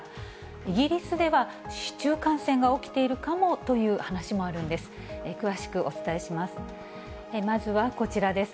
イギリスでは市中感染が起きているかもという話もあるんです。